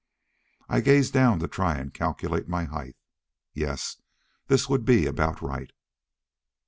I gazed down to try and calculate my height. Yes, this would be about right.